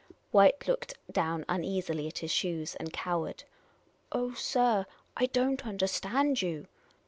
White looked down uneasily at his shoes, and cowered. " Oh, sir, I don't understand you."